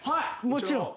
もちろん。